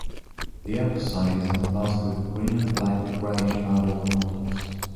The upper side is embossed with green and black greyish marbled mottles.